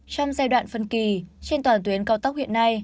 trong giai đoạn phân kỳ trên toàn tuyến cao tốc hiện nay